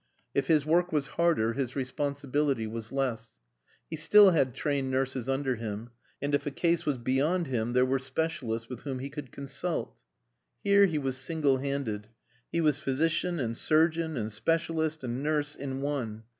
If his work was harder his responsibility was less. He still had trained nurses under him; and if a case was beyond him there were specialists with whom he could consult. Here he was single handed. He was physician and surgeon and specialist and nurse in one.